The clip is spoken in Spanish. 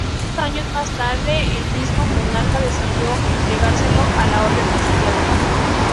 Dos años más tarde el mismo monarca decidió entregárselo a la Orden de Santiago.